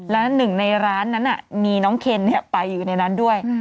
และหนึ่งในร้านนั้นมีน้องเคนไปอยู่ในนั้นด้วย